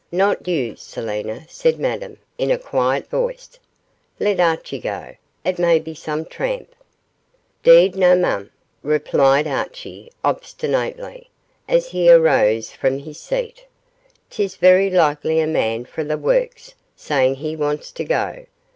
'Not you, Selina,' said Madame, in a quiet voice; 'let Archie go; it may be some tramp.' ''Deed no, mem,' replied Archie, obstinately, as he arose from his seat; ''tis verra likely a man fra the warks saying he wants to go.